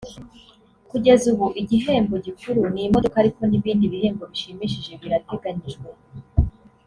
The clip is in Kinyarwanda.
Kugeza ubu igihembo gikuru ni imodoka ariko n’ibindi bihembo bishimishije birateganyijwe